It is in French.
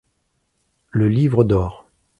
Le Livre d’or.